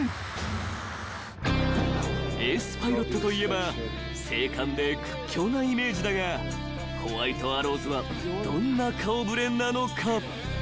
［エースパイロットといえば精悍で屈強なイメージだがホワイトアローズはどんな顔触れなのか］